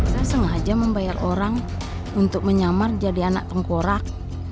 saya sengaja membayar orang untuk menyamar jadi anak tengkorak